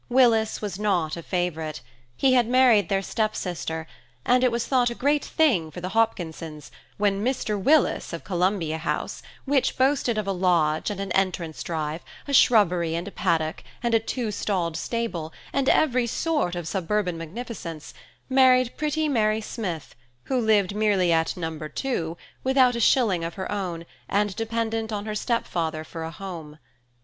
Willis was not a favourite; he had married their step sister, and it was thought a great thing for the Hopkinsons, when Mr. Willis of Columbia House, which boasted of a lodge and an entrance drive, a shrubbery and a paddock, and a two stalled stable, and every sort of suburban magnificence, married pretty Mary Smith, who lived merely at No. 2, without a shilling of her own, and dependent on her step father for a home.